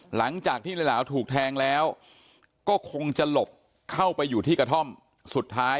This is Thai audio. หลังจากที่ในหลาวถูกแทงแล้วก็คงจะหลบเข้าไปอยู่ที่กระท่อมสุดท้าย